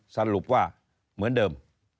สรุปว่าเหมือนเดิม